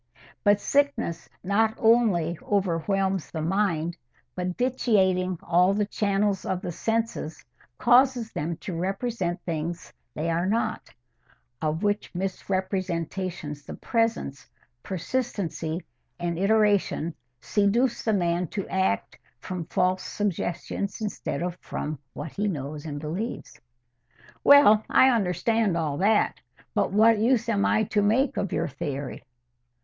But sickness not only overwhelms the mind, but, vitiating all the channels of the senses, causes them to represent things as they are not, of which misrepresentations the presence, persistency, and iteration seduce the man to act from false suggestions instead of from what he knows and believes." "Well, I understand all that. But what use am I to make of your theory?"